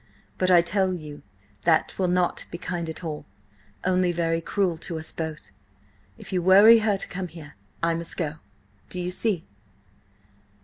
But I tell you that 'twill not be kind at all, only very cruel to us both. If you worry her to come here, I must go. Do you see?"